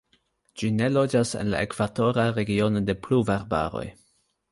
Ĝi ne loĝas en la ekvatora regiono de pluvarbaroj.